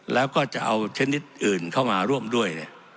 แล้วก็จะเอาชนิดอื่นเข้ามาร่วมด้วย